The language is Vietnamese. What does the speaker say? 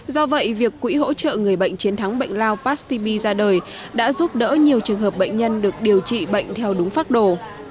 do vậy việc quỹ hỗ trợ người bệnh chiến thắng bệnh lao past tp ra đời đã giúp đỡ nhiều trường hợp bệnh nhân được điều trị bệnh theo đúng phác đồ